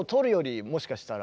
もしかしたら。